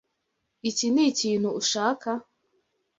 Iki nikintu ushaka?